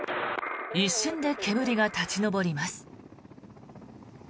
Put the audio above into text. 一瞬で煙が立ち上ります。